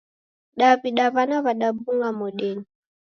Daw'ida w'ana w'adabung'a modenyi.